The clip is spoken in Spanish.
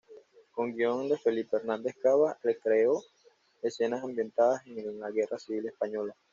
Con guion de Felipe Hernández Cava, recreó escenas ambientadas en la Guerra Civil Española.